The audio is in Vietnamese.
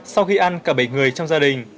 sau khi ăn cả bảy người trong gia đình